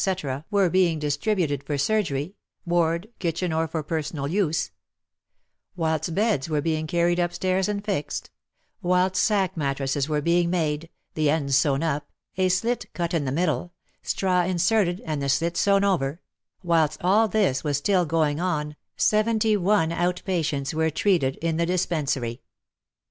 were WAR AND WOMEN 115 being distributed for surgery, ward, kitchen or for personal use — whilst beds were being carried upstairs and fixed — whilst sack mat tresses were being made, the ends sewn up, a slit cut in the middle, straw inserted and the slit sewn over — whilst all this was still going on, seventy one out patients were treated in the Dispensary.